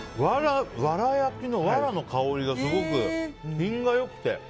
藁焼きの藁の香りがすごく品が良くて。